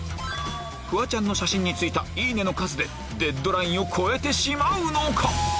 フワちゃんの写真についたいいねの数でデッドラインを超えてしまうのか？